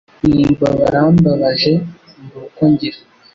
numva barambabaje mbura uko ngira